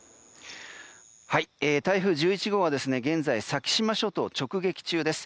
台風１１号は現在、先島諸島を直撃中です。